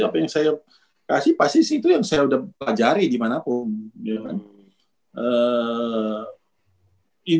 apa yang saya kasih pasti sih itu yang saya udah pelajari dimanapun